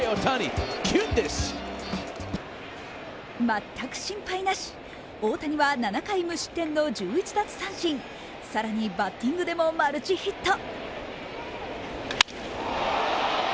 全く心配なし大谷は７回無失点の１１奪三振さらにバッティングでもマルチヒット。